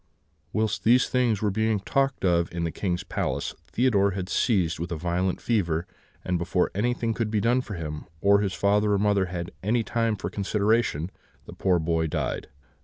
"Whilst these things were being talked of in the King's palace, Theodore was seized with a violent fever, and before anything could be done for him, or his father or mother had any time for consideration, the poor boy died.